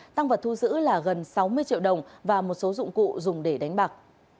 tăng vật thu giữ là gần sáu mươi triệu đồng và một số dụng cụ dùng để đánh bạc